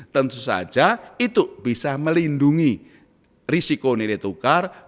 tentu saja itu bisa melindungi risiko nilai tukar